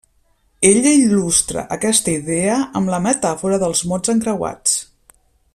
Ella il·lustra aquesta idea amb la metàfora dels mots encreuats.